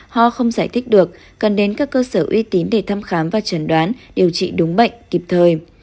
ho không giải thích được cần đến các cơ sở uy tín để thăm khám và trần đoán điều trị đúng bệnh kịp thời